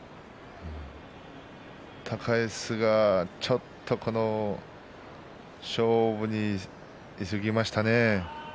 高安がちょっと勝負に出すぎましたね。